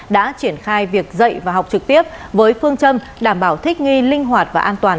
đã triển khai việc dạy và học trực tiếp với phương châm đảm bảo thích nghi linh hoạt và an toàn